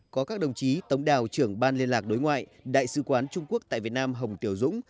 có các đồng chí tống đào trưởng ban liên lạc đối ngoại đại sứ quán trung quốc tại việt nam hồng tiểu dũng